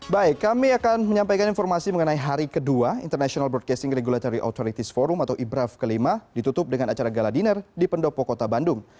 baik kami akan menyampaikan informasi mengenai hari kedua international broadcassing regulatory authorities forum atau ibraf ke lima ditutup dengan acara gala dinner di pendopo kota bandung